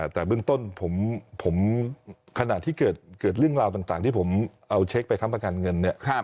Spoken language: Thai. แต่เบื้องต้นขณะที่เกิดเรื่องราวต่างที่ผมเอาเช็คไปค้ำประกันเงินเนี่ย